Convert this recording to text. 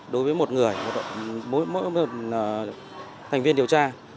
đối với một người mỗi thành viên điều tra